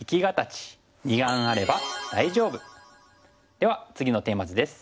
では次のテーマ図です。